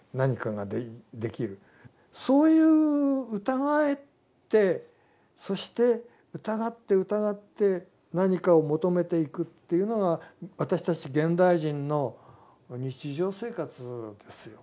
そういう疑ってそして疑って疑って何かを求めていくというのが私たち現代人の日常生活ですよ。